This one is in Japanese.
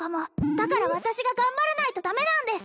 だから私が頑張らないとダメなんです